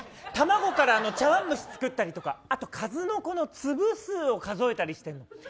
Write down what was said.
卵から茶碗蒸し作ったりとかあと、数の子の粒数を数えたりしてるの。